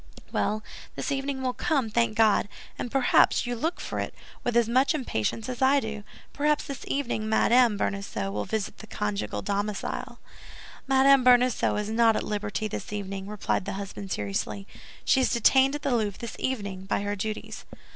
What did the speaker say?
"Well, this evening will come, thank God! And perhaps you look for it with as much impatience as I do; perhaps this evening Madame Bonacieux will visit the conjugal domicile." "Madame Bonacieux is not at liberty this evening," replied the husband, seriously; "she is detained at the Louvre this evening by her duties."